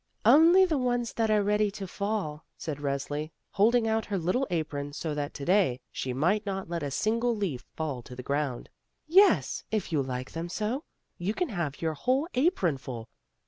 "Only the ones that are ready to fall," said Resli, holding out her little apron so that to day she might not let a single leaf fall to the ground. "Yes, if you like them so, you can have your whole apron full!